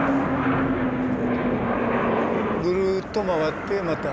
ぐるっと回ってまた。